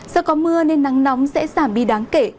do có mưa nên nắng nóng sẽ giảm đi đáng kể